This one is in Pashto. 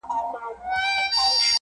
• هره ورځ به د رمی په ځان بلا وي ,